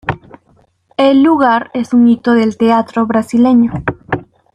El lugar es un hito del teatro brasileño.